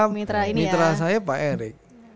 mitra saya pak erik